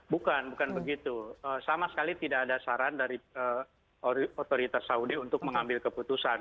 bukan bukan begitu sama sekali tidak ada saran dari otoritas saudi untuk mengambil keputusan